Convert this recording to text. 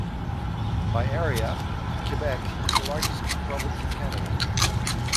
By area, Quebec is the largest province of Canada.